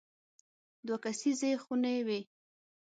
دوه کسیزې خونې وې.